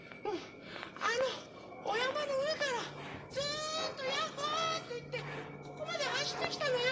あのおやまのうえからずっと「ヤッホー」っていってここまではしってきたのよ！